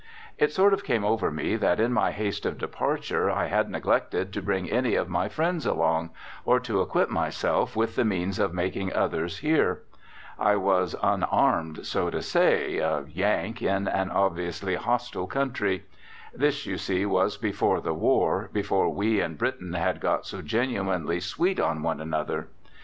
It sort of came over me that in my haste of departure I had neglected to bring any of my friends along, or to equip myself with the means of making others here. I was unarmed, so to say a "Yank" in an obviously hostile country. This, you see, was before the war, before we and Britain had got so genuinely sweet on one another.